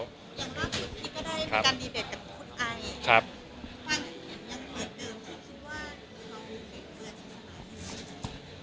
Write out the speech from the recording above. อย่างนั้นทุกที่ก็ได้มีการดีเบตกับพุทธไอความคิดอย่างเหลือเกินที่คิดว่าความรู้สักเกิน